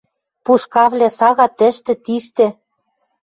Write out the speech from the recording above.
Пушкавлӓ сага тӹштӹ, тиштӹ